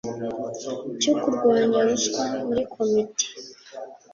cyo kurwanya ruswa muri komite